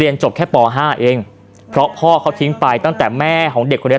จบแค่ปห้าเองเพราะพ่อเขาทิ้งไปตั้งแต่แม่ของเด็กคนนี้